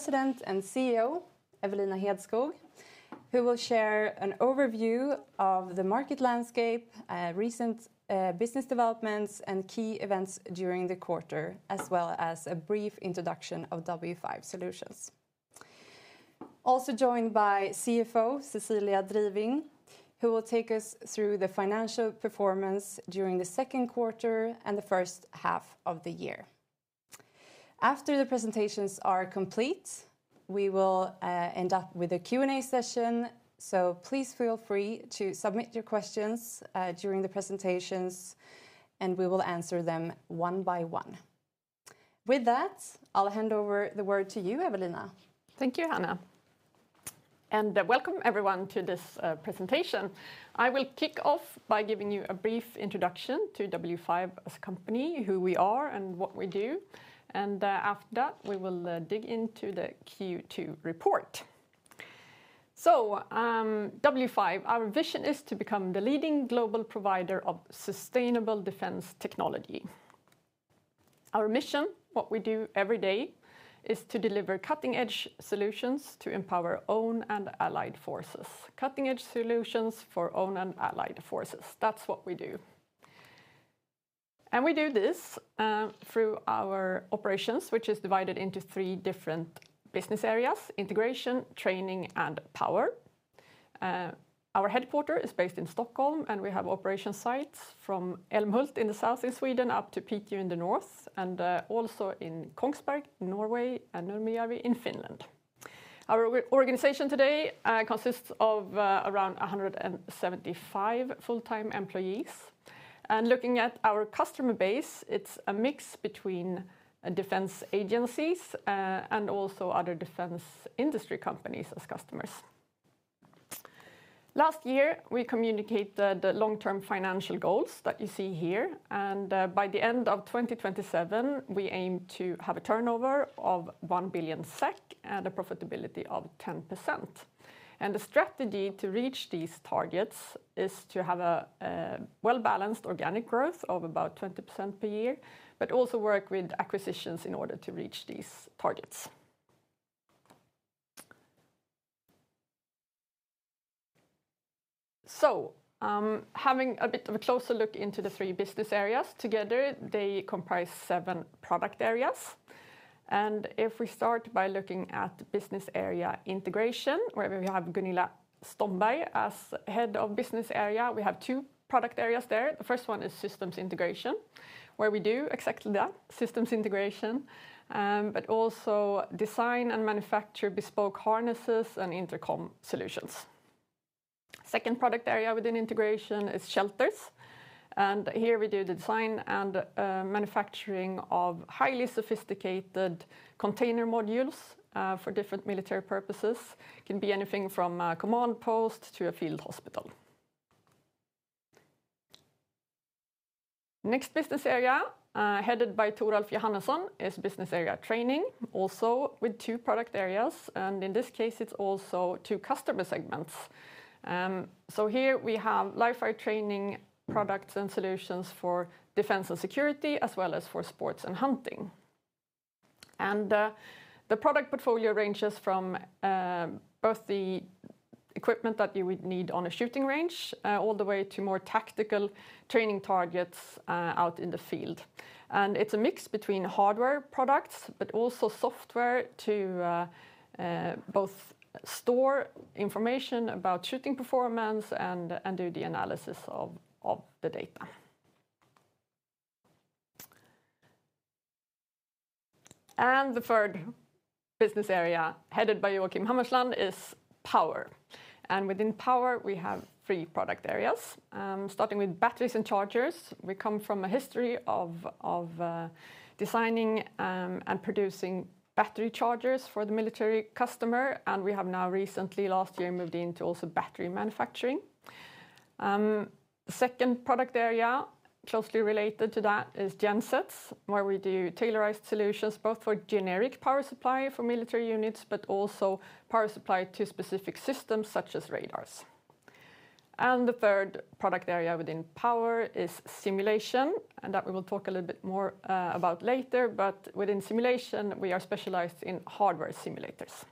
Our President and CEO, Evelina Hedskog, who will share an overview of the market landscape, recent business developments, and key events during the quarter, as well as a brief introduction of W5 Solutions. Also joined by CFO, Cecilia Driving, who will take us through the financial performance during the second quarter and the first half of the year. After the presentations are complete, we will end up with a Q&A session, so please feel free to submit your questions during the presentations, and we will answer them one by one. With that, I'll hand over the word to you, Evelina. Thank you, Hannah, and welcome everyone to this presentation. I will kick off by giving you a brief introduction to W5 Solutions as a company, who we are, and what we do. After that, we will dig into the Q2 report. W5 Solutions, our vision is to become the leading global provider of sustainable defense technology. Our mission, what we do every day, is to deliver cutting-edge solutions to empower own and allied forces. Cutting-edge solutions for own and allied forces. That's what we do. We do this through our operations, which are divided into three different business areas: Integration, Training, and Power. Our headquarters are based in Stockholm, and we have operation sites from Älmhult in the south in Sweden up to Piteå in the north, and also in Kongsberg in Norway and Nurmijärvi in Finland. Our organization today consists of around 175 full-time employees. Looking at our customer base, it's a mix between defense agencies and also other defense industry companies as customers. Last year, we communicated the long-term financial goals that you see here, and by the end of 2027, we aim to have a turnover of 1 billion SEK and a profitability of 10%. The strategy to reach these targets is to have a well-balanced organic growth of about 20% per year, but also work with acquisitions in order to reach these targets. Having a bit of a closer look into the three business areas together, they comprise seven product areas. If we start by looking at the business area Integration, where we have Gunilla Stomberg as Head of the business area, we have two product areas there. The first one is systems integration, where we do exactly that, systems integration, but also design and manufacture bespoke harnesses and intercom solutions. The second product area within Integration is shelters, and here we do the design and manufacturing of highly sophisticated container modules for different military purposes. It can be anything from a command post to a field hospital. The next business area headed by Toralf Johannesson is business area Training, also with two product areas, and in this case, it's also two customer segments. Here we have lifeguard training products and solutions for defense and security, as well as for sports and hunting. The product portfolio ranges from both the equipment that you would need on a shooting range, all the way to more tactical training targets out in the field. It's a mix between hardware products, but also software to both store information about shooting performance and do the analysis of the data. The third business area headed by Joachim Hammersland is Power. Within Power, we have three product areas, starting with batteries and chargers. We come from a history of designing and producing battery chargers for the military customer, and we have now recently, last year, moved into also battery manufacturing. The second product area closely related to that is gensets, where we do tailorized solutions both for generic power supply for military units, but also power supply to specific systems such as radars. The third product area within Power is simulation, and that we will talk a little bit more about later. Within simulation, we are specialized in hardware simulators.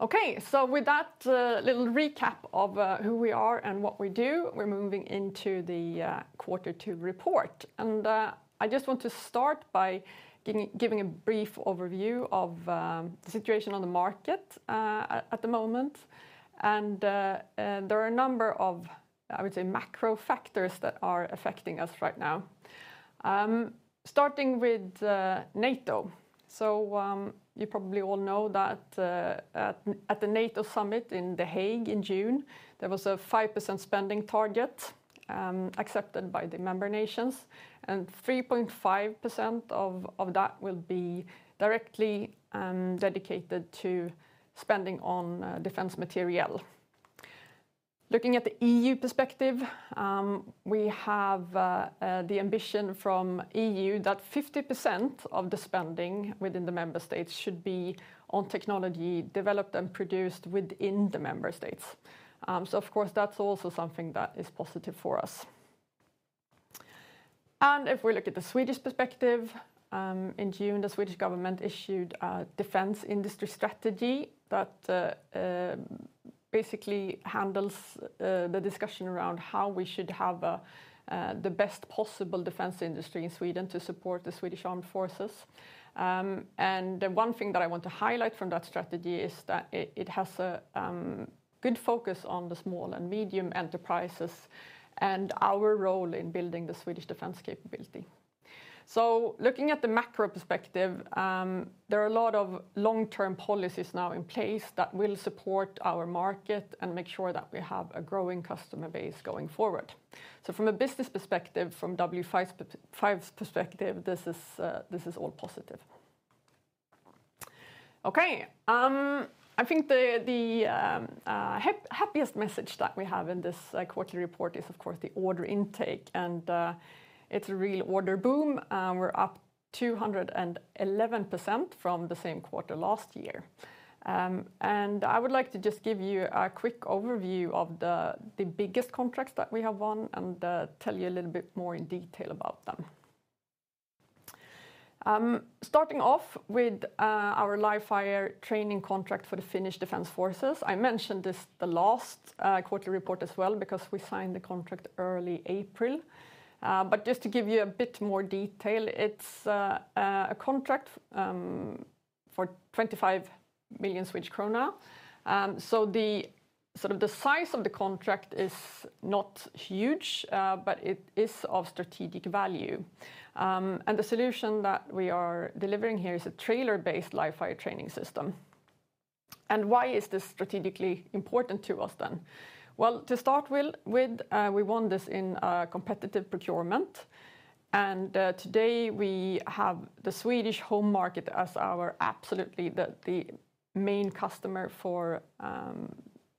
With that little recap of who we are and what we do, we're moving into the quarter two report. I just want to start by giving a brief overview of the situation on the market at the moment. There are a number of, I would say, macro factors that are affecting us right now. Starting with NATO, you probably all know that at the NATO summit in The Hague in June, there was a 5% spending target accepted by the member nations, and 3.5% of that will be directly dedicated to spending on defense materiel. Looking at the EU perspective, we have the ambition from the EU that 50% of the spending within the member states should be on technology developed and produced within the member states. Of course, that's also something that is positive for us. If we look at the Swedish perspective, in June, the Swedish government issued a defense industry strategy that basically handles the discussion around how we should have the best possible defense industry in Sweden to support the Swedish Armed Forces. The one thing that I want to highlight from that strategy is that it has a good focus on the small and medium enterprises and our role in building the Swedish defense capability. Looking at the macro perspective, there are a lot of long-term policies now in place that will support our market and make sure that we have a growing customer base going forward. From a business perspective, from W5 Solutions' perspective, this is all positive. I think the happiest message that we have in this quarterly report is, of course, the order intake, and it's a real order boom. We're up 211% from the same quarter last year. I would like to just give you a quick overview of the biggest contracts that we have won and tell you a little bit more in detail about them. Starting off with our live fire training contract for the Finnish Defence Forces, I mentioned this in the last quarterly report as well because we signed the contract early April. Just to give you a bit more detail, it's a contract for 25 million krona. The size of the contract is not huge, but it is of strategic value. The solution that we are delivering here is a trailer-based live fire training system. Why is this strategically important to us then? To start with, we won this in a competitive procurement. Today we have the Swedish home market as our absolutely main customer for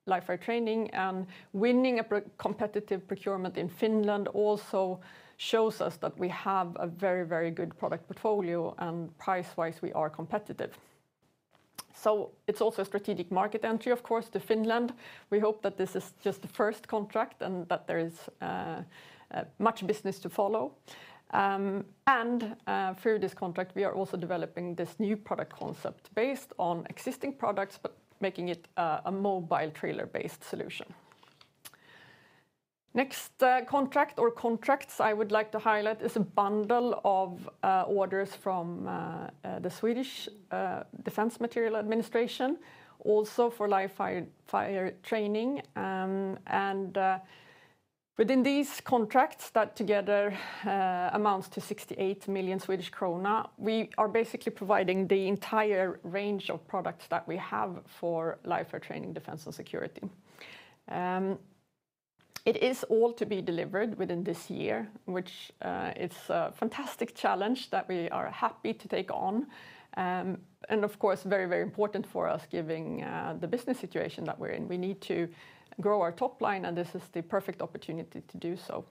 live fire training. Winning a competitive procurement in Finland also shows us that we have a very, very good product portfolio and price-wise we are competitive. It is also a strategic market entry, of course, to Finland. We hope that this is just the first contract and that there is much business to follow. Through this contract, we are also developing this new product concept based on existing products, but making it a mobile trailer-based solution. The next contract or contracts I would like to highlight is a bundle of orders from the Swedish Defence Materiel Administration, also for live fire training. Within these contracts that together amount to 68 million Swedish krona, we are basically providing the entire range of products that we have for live fire training, defense, and security. It is all to be delivered within this year, which is a fantastic challenge that we are happy to take on. Of course, very, very important for us given the business situation that we're in. We need to grow our top line, and this is the perfect opportunity to do so.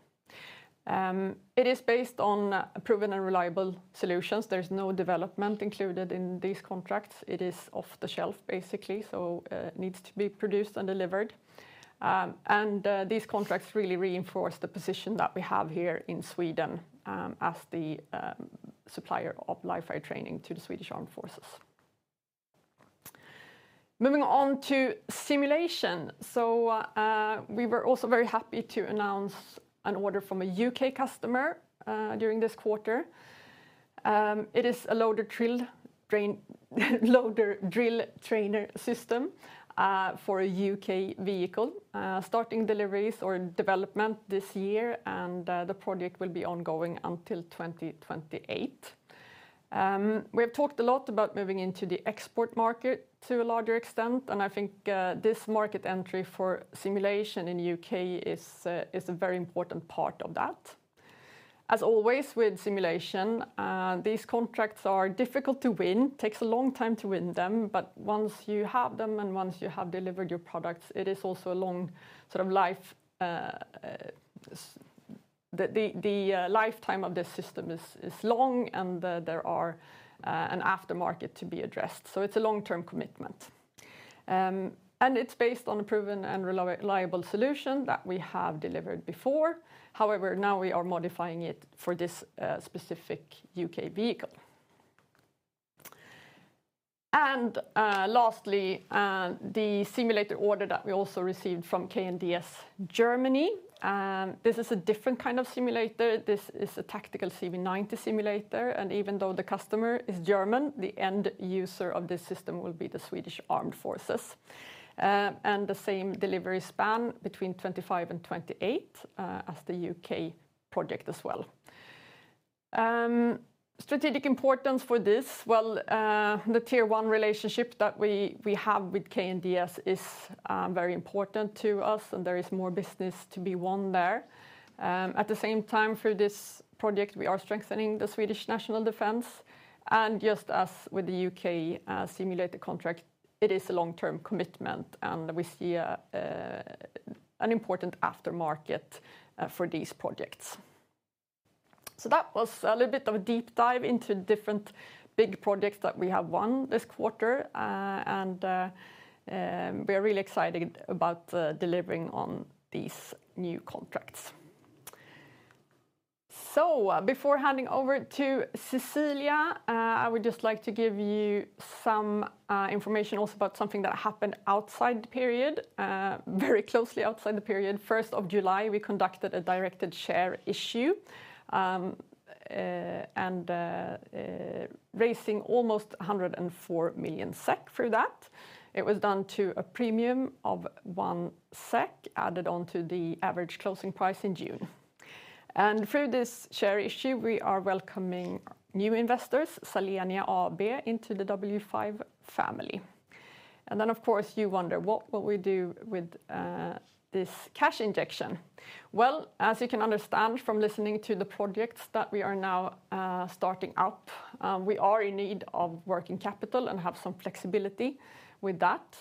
It is based on proven and reliable solutions. There is no development included in these contracts. It is off the shelf, basically, so it needs to be produced and delivered. These contracts really reinforce the position that we have here in Sweden as the supplier of live fire training to the Swedish Armed Forces. Moving on to simulation, we were also very happy to announce an order from a UK customer during this quarter. It is a loader drill trainer system for a UK vehicle, starting deliveries or development this year, and the project will be ongoing until 2028. We have talked a lot about moving into the export market to a larger extent, and I think this market entry for simulation in the UK is a very important part of that. As always with simulation, these contracts are difficult to win. It takes a long time to win them, but once you have them and once you have delivered your products, it is also a long sort of life. The lifetime of this system is long, and there is an aftermarket to be addressed. It's a long-term commitment. It's based on a proven and reliable solution that we have delivered before. However, now we are modifying it for this specific UK vehicle. Lastly, the simulated order that we also received from KNDS Germany, this is a different kind of simulator. This is a tactical CV90 simulator, and even though the customer is German, the end user of this system will be the Swedish Armed Forces. The same delivery span between 2025 and 2028 as the UK project as well. Strategic importance for this, the tier one relationship that we have with KNDS is very important to us, and there is more business to be won there. At the same time, through this project, we are strengthening the Swedish national defense. Just as with the UK simulated contract, it is a long-term commitment, and we see an important aftermarket for these projects. That was a little bit of a deep dive into different big projects that we have won this quarter, and we are really excited about delivering on these new contracts. Before handing over to Cecilia, I would just like to give you some information also about something that happened outside the period, very closely outside the period. On the first of July, we conducted a directed share issue and raised almost 104 million SEK for that. It was done to a premium of 1 SEK added on to the average closing price in June. Through this share issue, we are welcoming new investors, Sallenia AB, into the W5 family. Of course, you wonder, what will we do with this cash injection? As you can understand from listening to the projects that we are now starting up, we are in need of working capital and have some flexibility with that.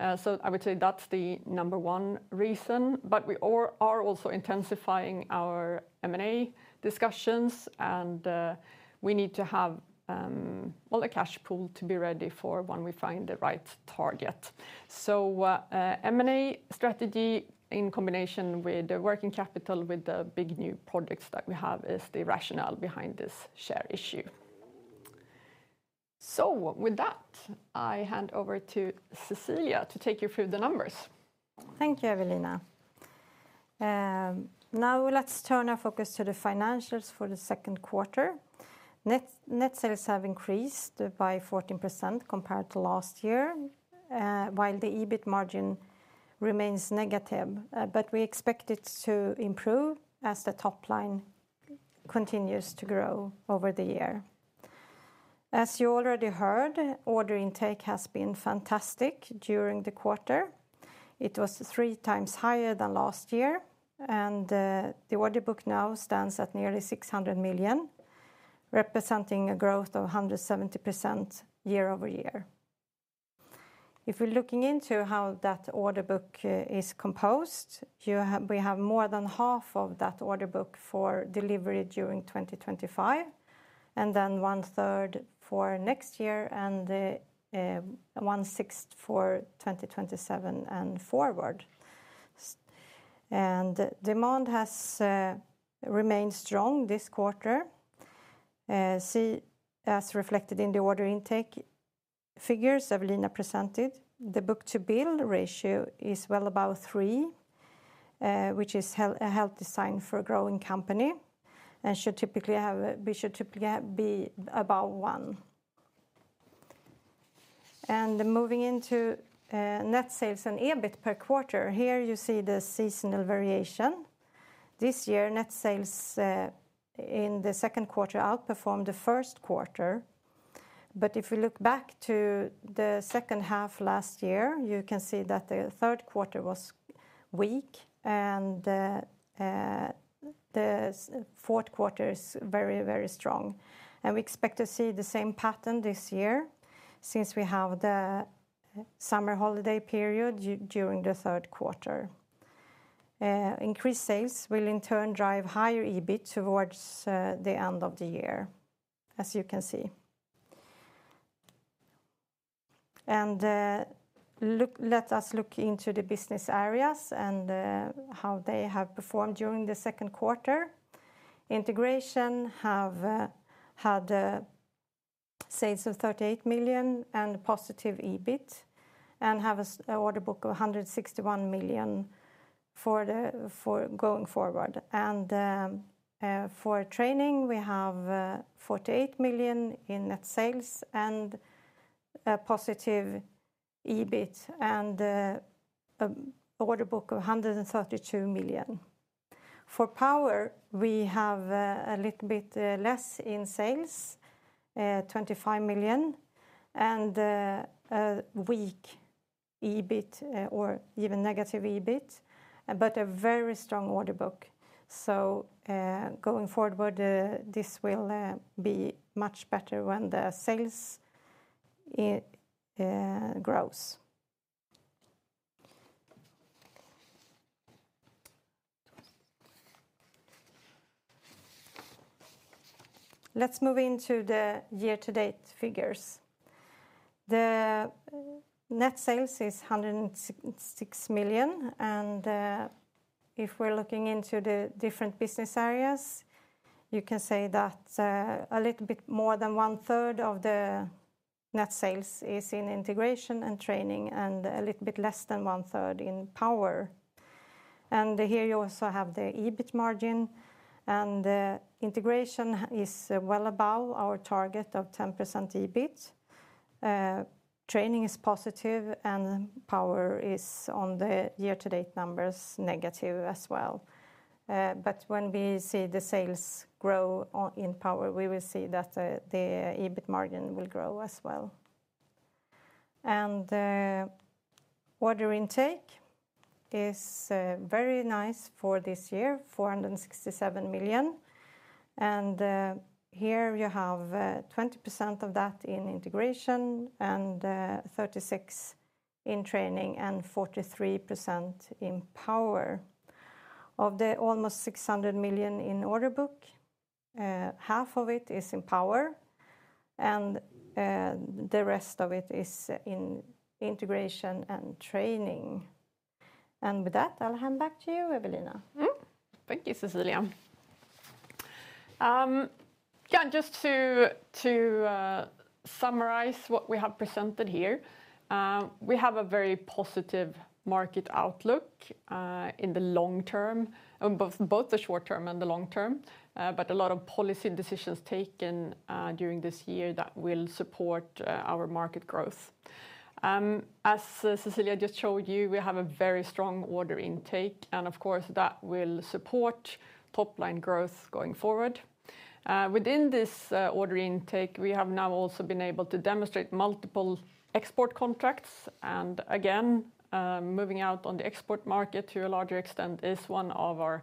I would say that's the number one reason, but we are also intensifying our M&A discussions, and we need to have a cash pool to be ready for when we find the right target. M&A strategy in combination with the working capital with the big new products that we have is the rationale behind this share issue. With that, I hand over to Cecilia to take you through the numbers. Thank you, Evelina. Now let's turn our focus to the financials for the second quarter. Net sales have increased by 14% compared to last year, while the EBIT margin remains negative, but we expect it to improve as the top line continues to grow over the year. As you already heard, order intake has been fantastic during the quarter. It was three times higher than last year, and the order book now stands at nearly 600 million, representing a growth of 170% year over year. If we're looking into how that order book is composed, we have more than half of that order book for delivery during 2025, and then one third for next year, and one sixth for 2027 and forward. Demand has remained strong this quarter, as reflected in the order intake figures Evelina presented. The book-to-bill ratio is well above 3, which is a healthy sign for a growing company, and should typically be about 1. Moving into net sales and EBIT per quarter, here you see the seasonal variation. This year, net sales in the second quarter outperformed the first quarter, but if you look back to the second half last year, you can see that the third quarter was weak, and the fourth quarter is very, very strong. We expect to see the same pattern this year since we have the summer holiday period during the third quarter. Increased sales will in turn drive higher EBIT towards the end of the year, as you can see. Let us look into the business areas and how they have performed during the second quarter. Integration has had sales of 38 million and positive EBIT and has an order book of 161 million for going forward. For Training, we have 48 million in net sales and positive EBIT and an order book of 132 million. For Power, we have a little bit less in sales, 25 million, and a weak EBIT or even negative EBIT, but a very strong order book. Going forward, this will be much better when the sales grow. Let's move into the year-to-date figures. The net sales is 106 million, and if we're looking into the different business areas, you can say that a little bit more than one third of the net sales is in Integration and Training, and a little bit less than one third in Power. Here you also have the EBIT margin, and Integration is well above our target of 10% EBIT. Training is positive, and Power is on the year-to-date numbers negative as well. When we see the sales grow in Power, we will see that the EBIT margin will grow as well. Order intake is very nice for this year, 467 million. You have 20% of that in Integration and 36% in Training and 43% in Power. Of the almost 600 million in order book, half of it is in Power, and the rest of it is in Integration and Training. With that, I'll hand back to you, Evelina. Thank you, Cecilia. Yeah, just to summarize what we have presented here, we have a very positive market outlook in the long term, both the short term and the long term, with a lot of policy decisions taken during this year that will support our market growth. As Cecilia just showed you, we have a very strong order intake, and of course that will support top line growth going forward. Within this order intake, we have now also been able to demonstrate multiple export contracts, and again, moving out on the export market to a larger extent is one of our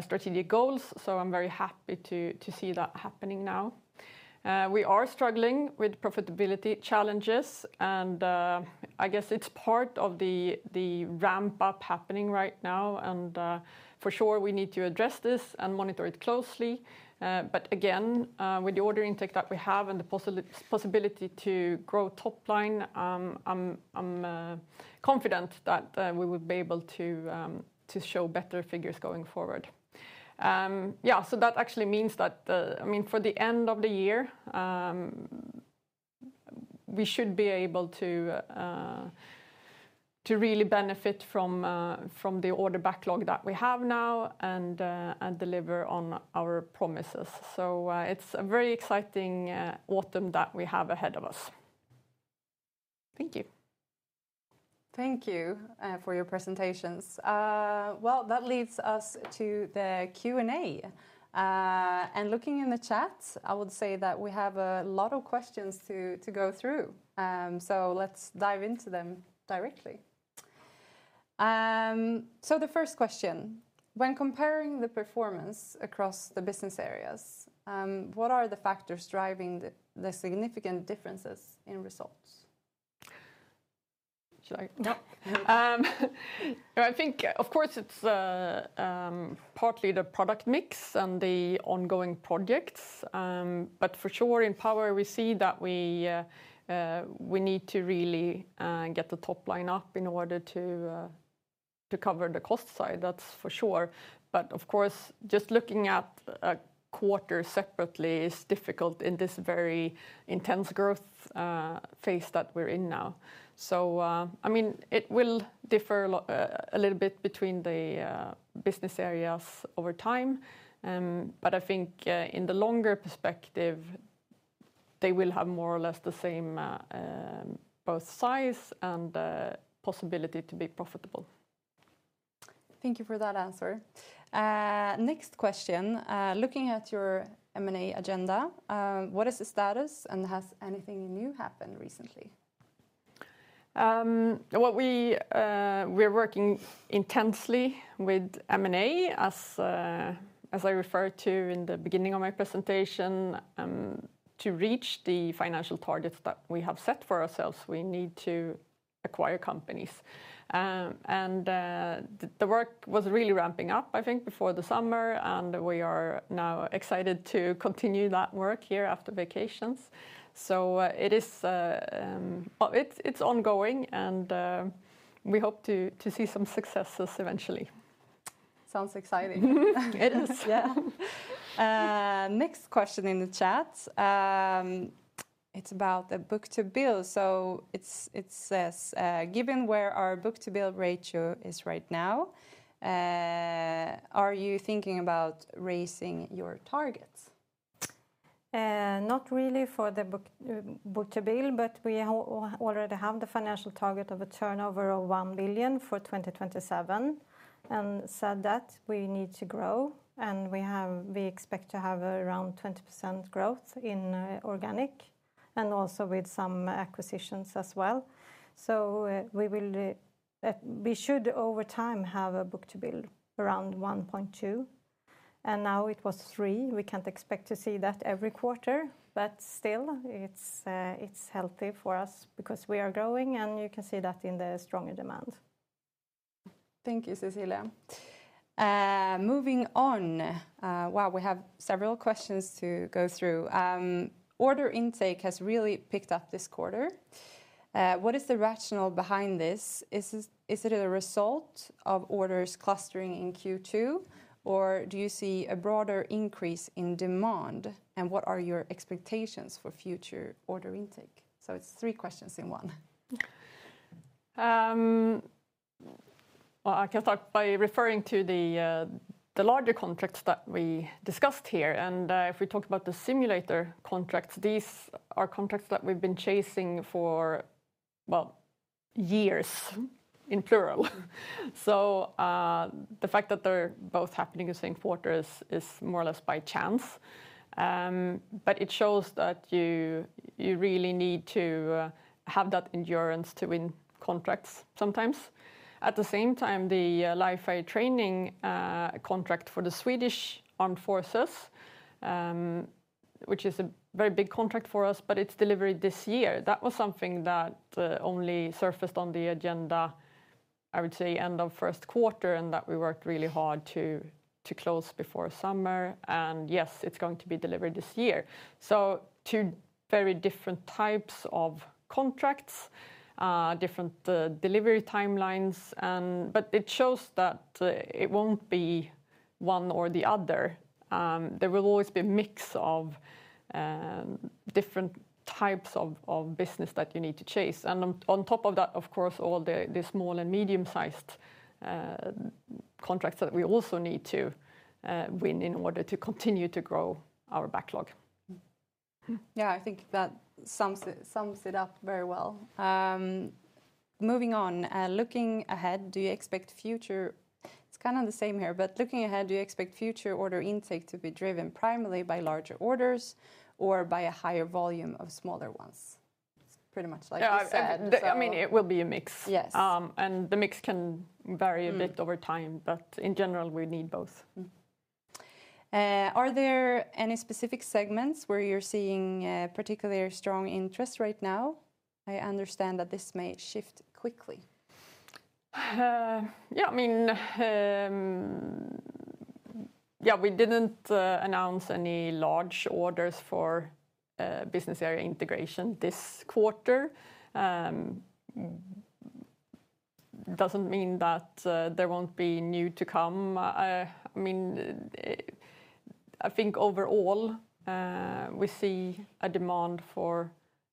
strategic goals. I'm very happy to see that happening now. We are struggling with profitability challenges, and I guess it's part of the ramp-up happening right now, and for sure we need to address this and monitor it closely. With the order intake that we have and the possibility to grow top line, I'm confident that we will be able to show better figures going forward. That actually means that, I mean, for the end of the year, we should be able to really benefit from the order backlog that we have now and deliver on our promises. It's a very exciting autumn that we have ahead of us. Thank you. Thank you for your presentations. That leads us to the Q&A. Looking in the chat, I would say that we have a lot of questions to go through. Let's dive into them directly. The first question, when comparing the performance across the business areas, what are the factors driving the significant differences in results? Yeah, I think, of course, it's partly the product mix and the ongoing projects. Of course, in Power, we see that we need to really get the top line up in order to cover the cost side, that's for sure. Just looking at a quarter separately is difficult in this very intense growth phase that we're in now. It will differ a little bit between the business areas over time. I think in the longer perspective, they will have more or less the same both size and possibility to be profitable. Thank you for that answer. Next question, looking at your M&A agenda, what is the status and has anything new happened recently? We are working intensely with M&A, as I referred to in the beginning of my presentation. To reach the financial targets that we have set for ourselves, we need to acquire companies. The work was really ramping up, I think, before the summer, and we are now excited to continue that work here after vacations. It is ongoing, and we hope to see some successes eventually. Sounds exciting. It is, yeah. Next question in the chat, it's about the book-to-bill. It says, given where our book-to-bill ratio is right now, are you thinking about raising your targets? Not really for the book-to-bill, but we already have the financial target of a turnover of 1 billion for 2027. We need to grow, and we expect to have around 20% growth in organic and also with some acquisitions as well. We should, over time, have a book-to-bill around 1.2. Now it was 3. We can't expect to see that every quarter, but still, it's healthy for us because we are growing, and you can see that in the stronger demand. Thank you, Cecilia. Moving on, we have several questions to go through. Order intake has really picked up this quarter. What is the rationale behind this? Is it a result of orders clustering in Q2, or do you see a broader increase in demand, and what are your expectations for future order intake? It's three questions in one. I can start by referring to the larger contracts that we discussed here. If we talk about the simulator contracts, these are contracts that we've been chasing for, years in plural. The fact that they're both happening in the same quarter is more or less by chance. It shows that you really need to have that endurance to win contracts sometimes. At the same time, the live fire training contract for the Swedish Armed Forces, which is a very big contract for us, but it's delivered this year. That was something that only surfaced on the agenda, I would say, end of first quarter, and that we worked really hard to close before summer. Yes, it's going to be delivered this year. Two very different types of contracts, different delivery timelines, but it shows that it won't be one or the other. There will always be a mix of different types of business that you need to chase. On top of that, of course, all the small and medium-sized contracts that we also need to win in order to continue to grow our backlog. Yeah, I think that sums it up very well. Moving on, looking ahead, do you expect future order intake to be driven primarily by larger orders or by a higher volume of smaller ones? It's pretty much like you said. It will be a mix. Yes. The mix can vary a bit over time, but in general, we need both. Are there any specific segments where you're seeing a particularly strong interest right now? I understand that this may shift quickly. Yeah, we didn't announce any large orders for business area Integration this quarter. It doesn't mean that there won't be new to come. I think overall, we see a demand for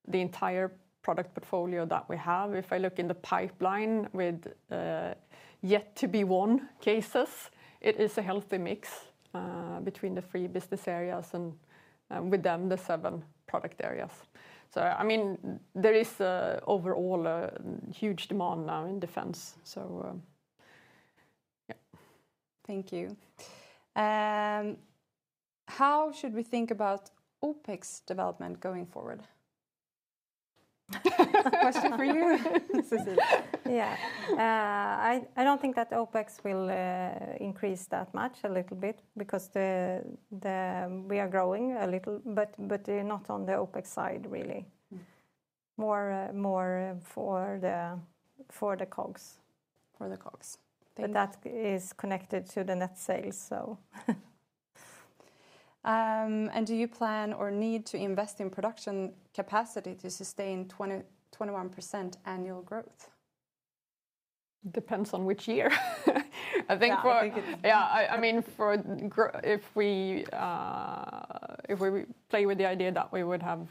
the entire product portfolio that we have. If I look in the pipeline with yet-to-be-won cases, it is a healthy mix between the three business areas and with them the seven product areas. There is overall a huge demand now in defense. Yeah. Thank you. How should we think about OpEx development going forward? That's a question for you. Yeah, I don't think that OpEx will increase that much, a little bit because we are growing a little, but not on the OpEx side really, more for the COGS. For the COGS. That is connected to the net sales. Do you plan or need to invest in production capacity to sustain 21% annual growth? Depends on which year. I think. Yeah, I mean, if we play with the idea that we would have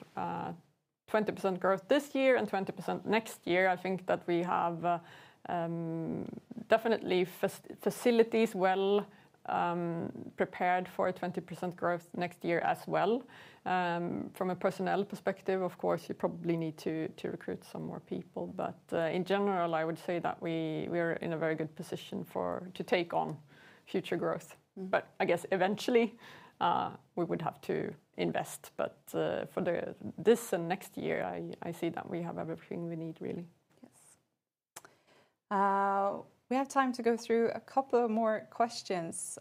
20% growth this year and 20% next year, I think that we have definitely facilities well prepared for 20% growth next year as well. From a personnel perspective, of course, we probably need to recruit some more people, but in general, I would say that we are in a very good position to take on future growth. I guess eventually we would have to invest, but for this and next year, I see that we have everything we need really. Yes. We have time to go through a couple more questions.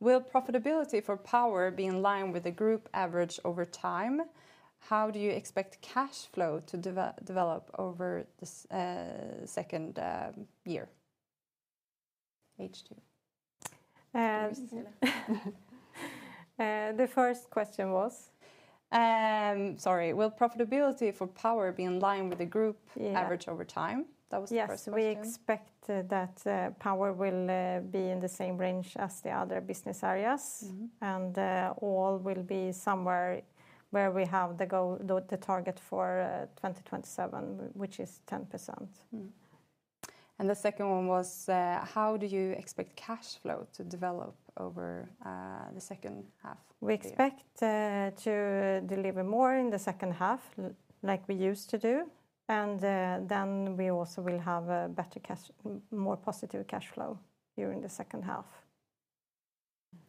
Will profitability for Power be in line with the group average over time? How do you expect cash flow to develop over the second year? H2? Cecilia. The first question was, sorry, will profitability for Power be in line with the group average over time? That was the first question. Yeah, we expect that Power will be in the same range as the other business areas, and all will be somewhere where we have the target for 2027, which is 10%. How do you expect cash flow to develop over the second half? We expect to deliver more in the second half like we used to do, and we also will have a better, more positive cash flow during the second half.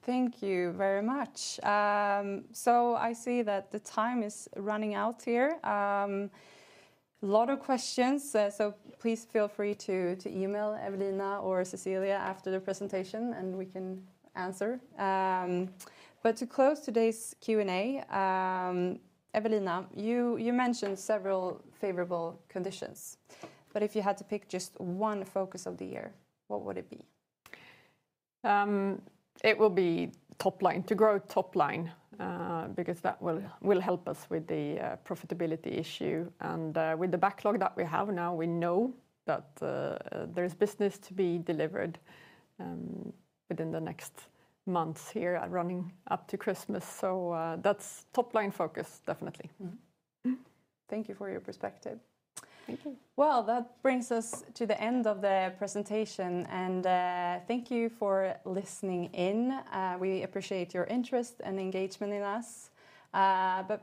Thank you very much. I see that the time is running out here. A lot of questions, so please feel free to email Evelina or Cecilia after the presentation, and we can answer. To close today's Q&A, Evelina, you mentioned several favorable conditions, but if you had to pick just one focus of the year, what would it be? It will be top line, to grow top line, because that will help us with the profitability issue. With the backlog that we have now, we know that there is business to be delivered within the next months here running up to Christmas. That's top line focus, definitely. Thank you for your perspective. Thank you. That brings us to the end of the presentation, and thank you for listening in. We appreciate your interest and engagement in us.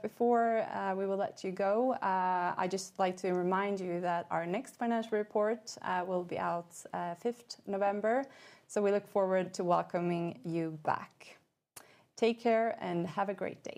Before we let you go, I'd just like to remind you that our next financial report will be out November 5, so we look forward to welcoming you back. Take care and have a great day.